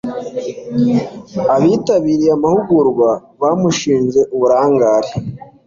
Abitabiriye amahugurwa bamushinje uburangare.